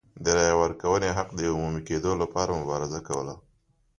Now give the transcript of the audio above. د رایې ورکونې حق د عمومي کېدو لپاره مبارزه کوله.